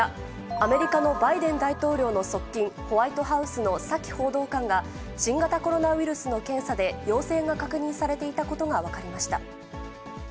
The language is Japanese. アメリカのバイデン大統領の側近、ホワイトハウスのサキ報道官が、新型コロナウイルスの検査で陽性が確認されていたことが分かりました。